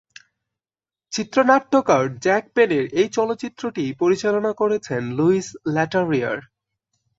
চিত্রনাট্যকার জ্যাক পেনের এ চলচ্চিত্রটি পরিচালনা করেছেন লুইস লেটারিয়ার।